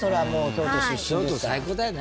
京都最高だよね。